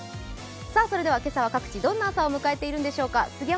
それでは今朝は各地どんな朝を迎えているんでしょうか。